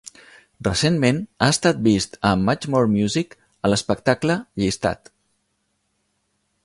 Recentment ha estat vist a MuchMoreMusic a l'espectacle "Llistat".